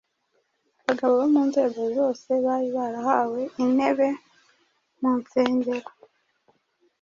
Abagome bo mu nzego zose bari barahawe intebe mu nsengero